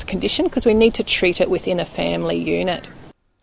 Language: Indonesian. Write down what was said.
karena kita perlu melakukannya dalam unit keluarga